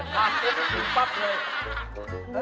ฟากตุ๊กปั๊บเลย